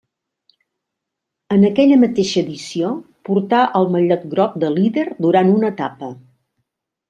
En aquella mateixa edició portà el mallot groc de líder durant una etapa.